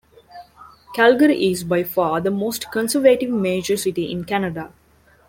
Calgary is, by far, the most conservative major city in Canada.